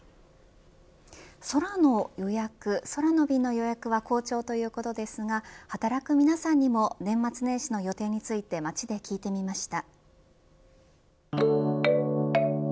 空の予約、空の便の予約は好調ということですが働く皆さんにも年末年始の予定について街で聞いてみました。